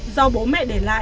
do bố mẹ để lại